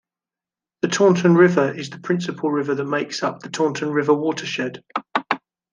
The Taunton River is the principal river that makes up the Taunton River Watershed.